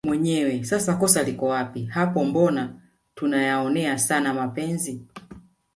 mwenyewe sasa kosa liko wapi hapo mbona tuna yaonea sana mapenzi